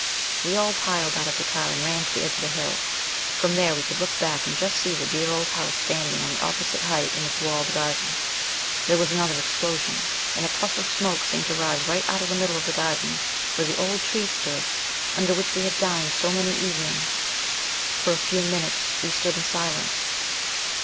We all piled out of the car, and ran to the edge of the hill. From there we could look back and just see the dear old house standing on the opposite height in its walled garden. There was another explosion, and a puff of smoke seemed to rise right out of the middle of the garden, where the old tree stood, under which we had dined so many evenings. For a few minutes we stood in silence.